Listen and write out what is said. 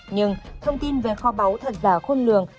nhưng thông tin về kho báu thật giả khôn lường